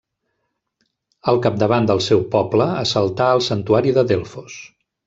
Al capdavant del seu poble, assaltà el santuari de Delfos.